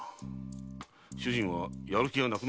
主人はやる気がなくなったのだろう？